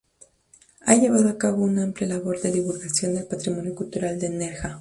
Ha llevado a cabo una amplia labor de divulgación del patrimonio cultural de Nerja.